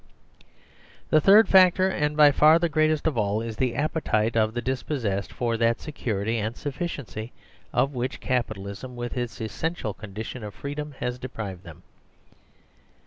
The third factor, and by far the greatest of all, is the appetite of the dispossessed for that security and sufficiency of whichCapitalism, withits essential con dition of freedom, has deprived them.